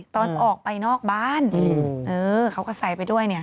ตอนออกไปนอกบ้านเขาก็ใส่ไปด้วยเนี่ย